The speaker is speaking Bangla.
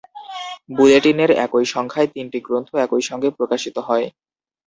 বুলেটিনের একই সংখ্যায় তিনটি গ্রন্থ একই সঙ্গে প্রকাশিত হয়।